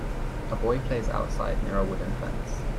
A boy plays outside near a wooden fence.